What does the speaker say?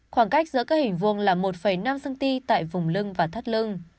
khoảng cách giữa các hình vuông là một năm cm tại vùng lưng và thắt lưng